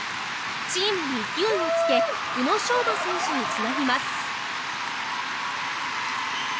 チームに勢いをつけ宇野昌磨選手につなぎます。